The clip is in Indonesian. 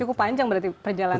cukup panjang berarti perjalanannya